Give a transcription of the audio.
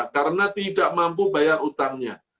karena tidak mampu bayar utangnya